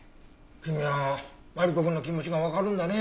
君はマリコくんの気持ちがわかるんだね。